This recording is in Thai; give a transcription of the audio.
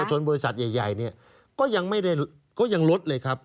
เอกชนบริษัทใหญ่ก็ยังลดเลยครับ